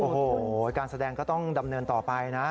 โอ้โหการแสดงก็ต้องดำเนินต่อไปนะ